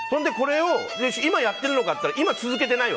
今やってるのかといったら続けてないの。